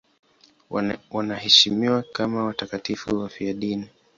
Wanaheshimiwa kama watakatifu wafiadini.